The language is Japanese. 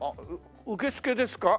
受付ですか？